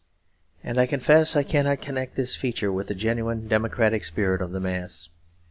And I confess I cannot connect this feature with the genuine democratic spirit of the mass.